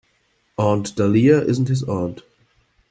Aunt Dahlia isn't his aunt.